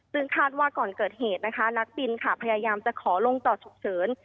ซึ่งคาดว่าก่อนเกิดเหตุนะคะนักบินค่ะพยายามจะขอลงจอดฉุกเฉิน